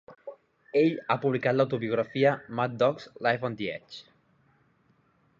Ell ha publicat l'autobiografia "Mad Dogs: Life on the Edge".